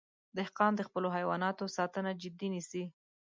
دهقان د خپلو حیواناتو ساتنه جدي نیسي.